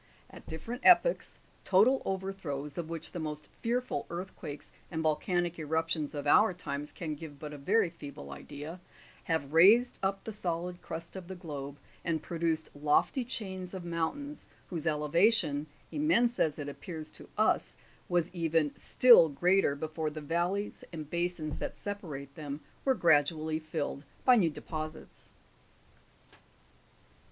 At different epochs, total overthrows, of which the most fearful earthquakes and volcanic eruptions of our times can give but a very feeble idea, have raised up the solid crust of the globe, and produced lofty chains of mountains, whose elevation, immense as it appears to us, was even still greater before the val leys and basins that separate them were gradually filled by new deposits.